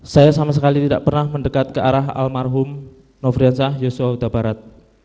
saya sama sekali tidak pernah mendekat ke arah almarhum nofriansah yosua utabarat